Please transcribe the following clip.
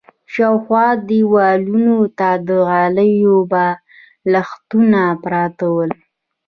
شاوخوا دېوالونو ته د غالیو بالښتونه پراته ول.